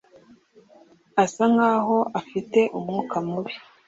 Asa nkaho afite umwuka mubi